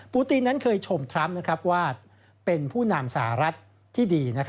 ตีนนั้นเคยชมทรัมป์ว่าเป็นผู้นำสหรัฐที่ดี